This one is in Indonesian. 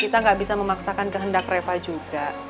kita nggak bisa memaksakan kehendak reva juga